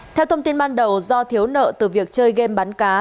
theo thông tin ban đầu do thiếu nợ từ việc chơi game bán cá